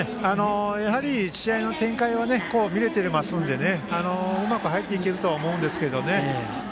試合の展開を見れていますのでうまく入っていけるとは思うんですけどね。